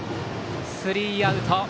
スリーアウト。